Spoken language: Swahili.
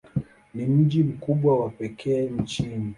Ni mji mkubwa wa pekee nchini.